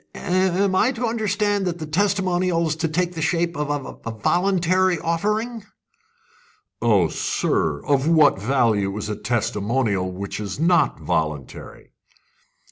"Am I to understand that the testimonial is to take the shape of a voluntary offering?" "Oh, sir! Of what value is a testimonial which is not voluntary?"